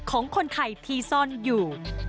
ของคนไทยที่ซ่อนอยู่